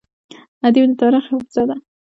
ادب د تاریخ حافظه ده.